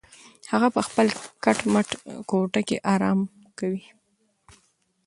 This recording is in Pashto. هغه په خپله کټ مټ کوټه کې ارام کوي.